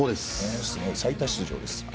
最多出場ですね。